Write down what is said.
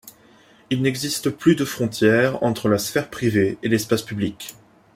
Il n'existe plus de frontière entre la sphère privée et l'espace public.